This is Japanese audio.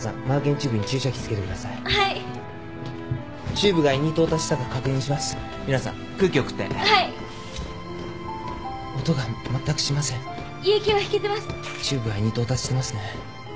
チューブは胃に到達してますね。